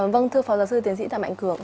vâng thưa phó giáo sư tiến sĩ tạm ảnh cường